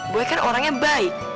boy kan orangnya baik